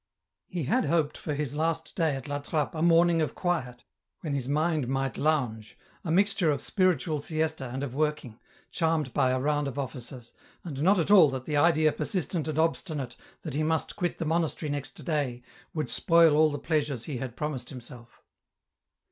He had hoped for his last day at La Trappe a morning ot quiet, when his mind might lounge, a mixture of spiritual siesta and of working, charmed by a round of offices, and not at all that the idea persistent and obstinate that he must quit the monastery next day, would spoil all the pleasures he had promised himself.